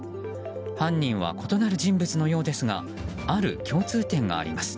犯人は異なる人物のようですがある共通点があります。